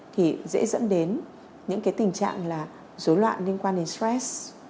thì dễ dẫn đến những cái tình trạng là dối loạn liên quan đến stress